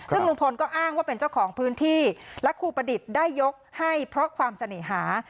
ซึ่งลุงพลก็อ้างว่าเป็นเจ้าของพื้นที่และครูประดิษฐ์ได้ยกให้เพราะความเสน่หา